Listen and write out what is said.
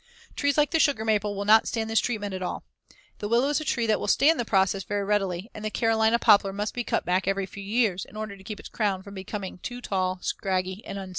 Trees like the sugar maple will not stand this treatment at all. The willow is a tree that will stand the process very readily and the Carolina poplar must be cut back every few years, in order to keep its crown from becoming too tall, scraggy and unsafe.